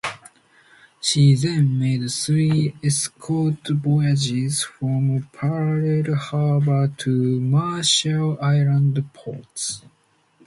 She then made three escort voyages from Pearl Harbor to Marshall Islands ports.